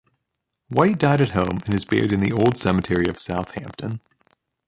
White died at home and is buried in the Old Cemetery of South Hampton.